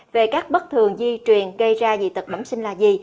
về các bất thường di truyền gây ra dị tật mẩm sinh là gì